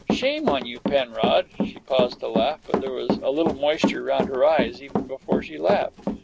Shame on you, Penrod!" She paused to laugh, but there was a little moisture round her eyes, even before she laughed.